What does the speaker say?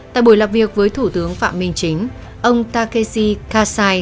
tại buổi làm việc với thủ tướng phạm minh chính ông takeshi kasai